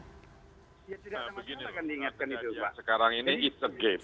ya tidak sama sekali akan diingatkan itu pak